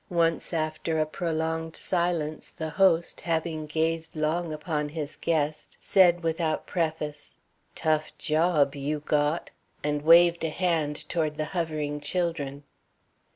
Once, after a prolonged silence, the host, having gazed long upon his guest, said, without preface: "Tough jawb you got," and waved a hand toward the hovering children.